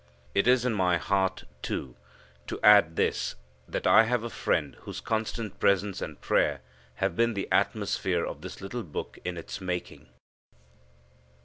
It is in my heart, too, to add this, that I have a friend whose constant presence and prayer have been the atmosphere of this little book in its making.